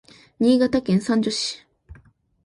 Niigataken sanjo si